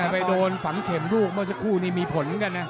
ไปโดนฝังเข็มลูกเมื่อสักครู่นี้มีผลเหมือนกันนะ